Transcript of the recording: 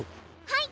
はい！